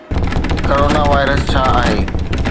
Corona virus ڇا آهي؟